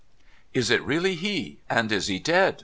' Is it really he, and is he dead